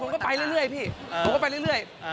ผมก็ไปเรื่อยพี่ผมก็ไปเรื่อย